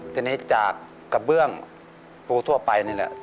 ทีนี้จากกระเบื้องปูทั่วไปนี่แหละ